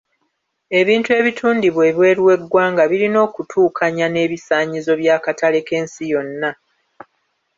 Ebintu ebitundibwa ebweru w'eggwanga birina okutuukanya n'ebisaanyizo by'akatale k'ensi yonna.